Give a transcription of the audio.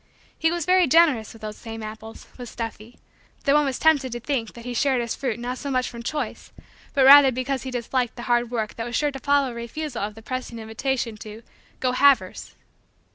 He was very generous with those same apples was "Stuffy" though one was tempted to think that he shared his fruit not so much from choice but rather because he disliked the hard work that was sure to follow a refusal of the pressing invitation to "go halvers."